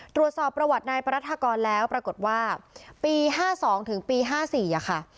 ตรวจสอบประวัตินายประราธกรแล้วปรากฏว่าปีห้าสองถึงปีห้าสี่อ่ะค่ะ